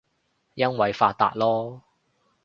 因爲發達囉